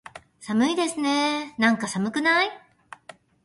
寒いですねーなんか、寒くない？